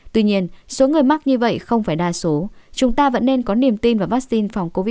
tuy nhiên số người mắc như vậy không phải đa số chúng ta vẫn nên có niềm tin vào vaccine phòng covid một mươi chín